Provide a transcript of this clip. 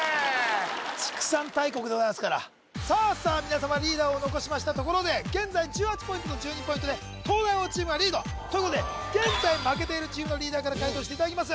畜産大国でございますからさあさあ皆様リーダーを残しましたところで現在１８ポイントと１２ポイントで東大王チームがリードということで現在負けているチームのリーダーから解答していただきます